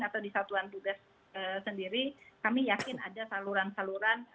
atau di satuan tugas sendiri kami yakin ada saluran saluran